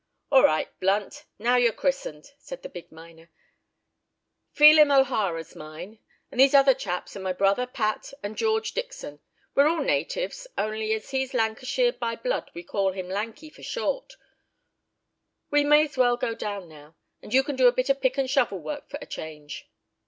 "All right, Blunt; now you're christened," said the big miner. "Phelim O'Hara's mine, and these other chaps are my brother Pat and George Dixon; we're all natives, only as he's Lancashire by blood we call him 'Lanky' for short; we may's well go down now, and you can do a bit of pick and shovel work for a change."